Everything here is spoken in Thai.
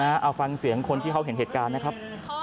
เอาฟังเสียงคนที่เขาเห็นเหตุการณ์นะครับ